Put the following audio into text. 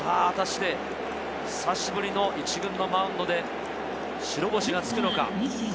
久しぶりの１軍のマウンドで白星がつくのか。